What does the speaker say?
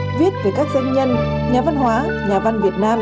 viết về các doanh nhân nhà văn hóa nhà văn việt nam